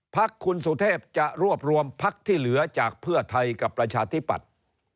พักคุณสุเทพจะรวบรวมพักที่เหลือจากเพื่อไทยกับประชาธิปัตย์